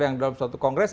yang dalam suatu kongres